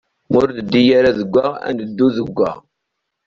Ma ur neddi ara deg wa, ad neddu deg wa.